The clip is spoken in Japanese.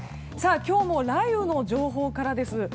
今日も雷雨の情報からです。